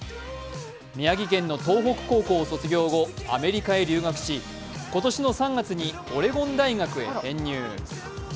宮城県の東北高校を卒業後アメリカへ留学し、今年の３月にオレゴン大学に編入。